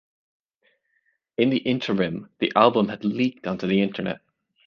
In the interim, the album had leaked onto the internet.